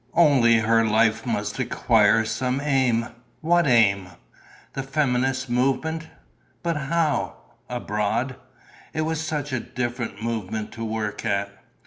Only her life must acquire some aim. What aim? The feminist movement? But how, abroad? It was such a different movement to work at....